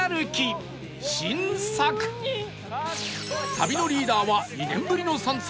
旅のリーダーは２年ぶりの参戦